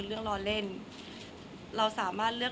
คนเราถ้าใช้ชีวิตมาจนถึงอายุขนาดนี้แล้วค่ะ